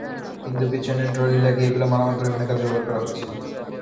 কিন্তু পেছনে ট্রলি লাগিয়ে এগুলো মালামাল পরিবহনের কাজে ব্যবহার করা হচ্ছে।